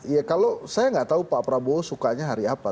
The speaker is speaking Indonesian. ya kalau saya nggak tahu pak prabowo sukanya hari apa